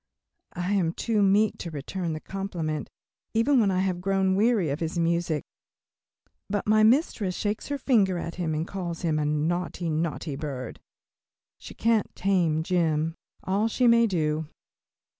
I am too meek to return the compliment, even when I have grown weary of his music, but my mistress shakes her finger at him and calls him a "naughty, naughty bird." She can't tame Jim, all she may do.